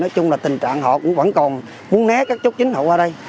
nói chung là tình trạng họ cũng vẫn còn muốn né các chốt chính họ qua đây